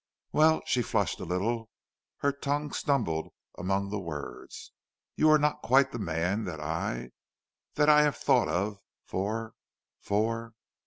"Well," she flushed a little, and her tongue stumbled among the words, "you are not quite the man that I that I have thought of for for